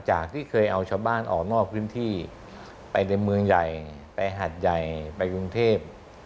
จากที่เคยเอาชาวบ้านออกนอกพื้นที่ไปในเมืองใหญ่ไปหัดใหญ่ไปกรุงเทพ